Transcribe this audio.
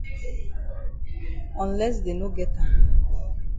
Unless dey no get am.